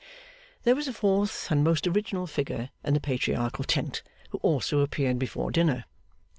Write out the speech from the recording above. There was a fourth and most original figure in the Patriarchal tent, who also appeared before dinner.